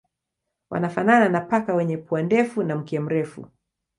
Wanafanana na paka wenye pua ndefu na mkia mrefu.